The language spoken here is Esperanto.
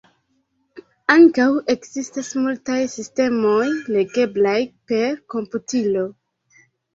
Ankaŭ ekzistas multaj sistemoj legeblaj per komputilo.